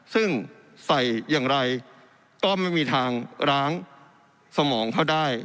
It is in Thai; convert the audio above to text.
ซึ่งใส่อย่างไรก็ไม่มีทางร้างสมองเขาได้